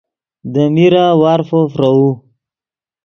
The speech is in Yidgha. دے میرہ وارفو فروؤ